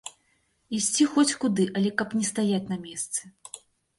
Ісці хоць куды, але каб не стаяць на месцы.